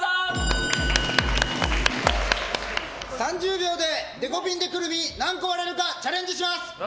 ３０秒でデコピンでクルミ何個割れるかチャレンジします。